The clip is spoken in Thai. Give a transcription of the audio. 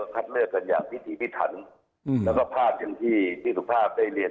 เป็นอย่างพิธีพิธรรมแล้วก็ภาพอย่างที่พี่ทุกภาพได้เรียน